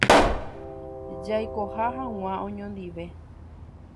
Jaikoha hag̃ua oñondive